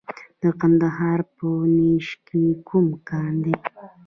د کندهار په نیش کې کوم کان دی؟